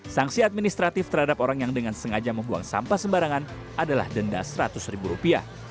sanksi administratif terhadap orang yang dengan sengaja membuang sampah sembarangan adalah denda seratus ribu rupiah